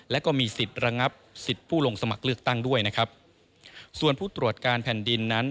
และก็มีสิทธิ์ระงับสิทธิ์ผู้ลงสมัครเลือกตั้งด้วยนะครับส่วนผู้ตรวจการแผ่นดินนั้น